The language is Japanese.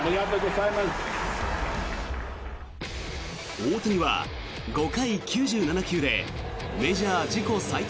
大谷は５回９７球でメジャー自己最多